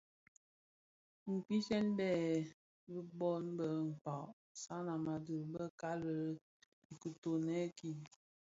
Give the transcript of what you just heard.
Kpimbèn bi bōn bë Mkpag. Sanam a dhi bi bali I kitoňèn ki.